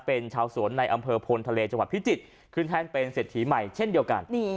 เป็นชาวสวนในอำเภอพลทะเลจังหวัดพิจิตรขึ้นแทนเป็นเศรษฐีใหม่เช่นเดียวกัน